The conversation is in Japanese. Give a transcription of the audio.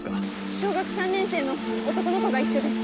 小学３年生の男の子が一緒です。